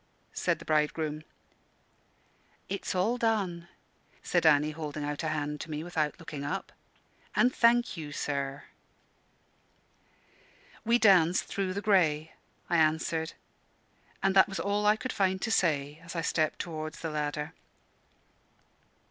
said the bridegroom. "It's all done," said Annie, holding out a hand to me, without looking up. "And thank you, sir." "We danced through the grey," I answered; and that was all I could find to say, as I stepped towards the ladder.